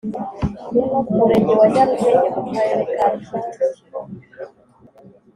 Umurenge wa Nyarugenge mu Karere ka kicukiro